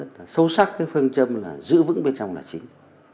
các phương châm giữ vững bên trong là chính